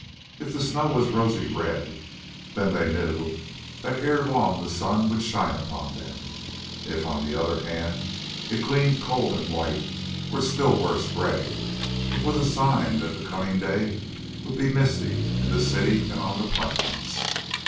If the snow was rosy red, then they knew that ere long the sun would shine upon them. If, on the other hand, it gleamed cold and white, or, still worse, grey, it was a sign that the coming day would be misty in the city and on the plains.